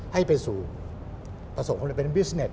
ให้ไปสู่ประสบความสำเร็จเป็นบิสเน็ต